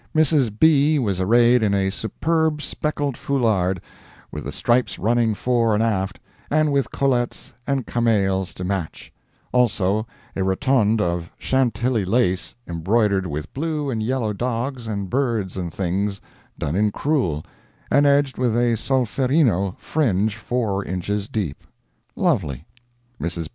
Mrs. B. was arrayed in a superb speckled foulard, with the stripes running fore and aft, and with collets and camails to match; also, a rotonde of Chantilly lace, embroidered with blue and yellow dogs, and birds and things, done in cruel, and edged with a Solferino fringe four inches deep—lovely. Mrs.